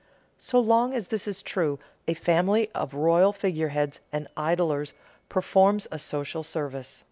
So long as this is true, a family of royal figureheads and idlers performs a social service.